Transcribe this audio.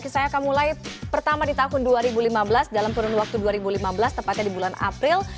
saya akan mulai pertama di tahun dua ribu lima belas dalam kurun waktu dua ribu lima belas tepatnya di bulan april